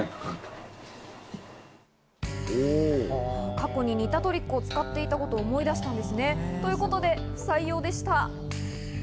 過去に似たトリックを使っていたことを思い出したんですね。ということで不採用でした。